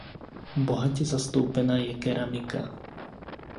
Bohatě zastoupena je keramika.